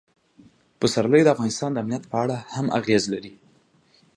پسرلی د افغانستان د امنیت په اړه هم اغېز لري.